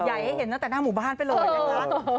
ใหญ่ให้เห็นตั้งแต่หน้าหมู่บ้านไปเลยนะคะ